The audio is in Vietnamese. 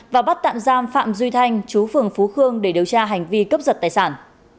và bắt tạm giam phạm duy thanh chú phường phú khương để điều tra hành vi cướp giật tài sản